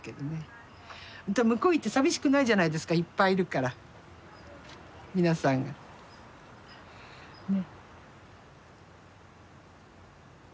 向こう行って寂しくないじゃないですかいっぱいいるから皆さんが。ね。